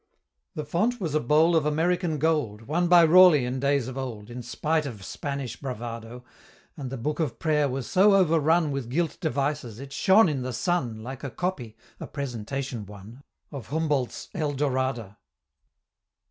The Font was a bowl of American gold, Won by Raleigh in days of old, In spite of Spanish bravado; And the Book of Pray'r was so overrun With gilt devices, it shone in the sun Like a copy a presentation one Of Humboldt's "El Dorada."